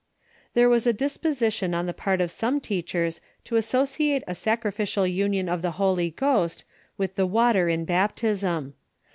There Avas a disposition on the part of some teachers to associate a sacrificial union of the Holy Ghost with the Avater in baptism.